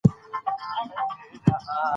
هلمند سیند د افغانانو د معیشت سرچینه ده.